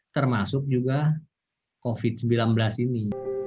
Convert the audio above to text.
termasuk juga covid sembilan belas ini